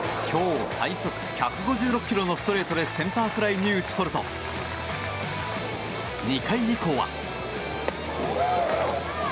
今日最速１５６キロのストレートでセンターフライに打ち取ると２回以降は。